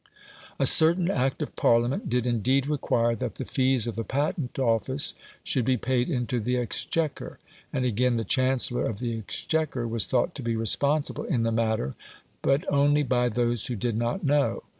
A certain Act of Parliament did indeed require that the fees of the Patent Office should be paid into the "Exchequer"; and, again, the "Chancellor of the Exchequer" was thought to be responsible in the matter, but only by those who did not know.